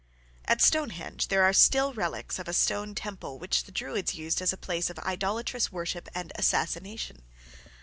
] At Stonehenge there are still relics of a stone temple which the Druids used as a place of idolatrous worship and assassination.